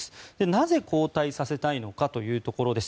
なぜ交代させたいのかというところです。